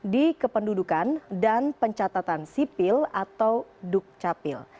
di ktp elektronik dan pencatatan sipil atau duk capil